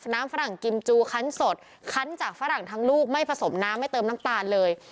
ฝรั่งกิมจูคันสดคันจากฝรั่งทั้งลูกไม่ผสมน้ำไม่เติมน้ำตาลเลย